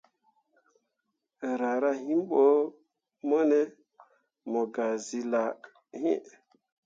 Raara him ko mone mu gak zilah iŋ.